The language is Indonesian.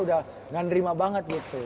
udah gak nerima banget gitu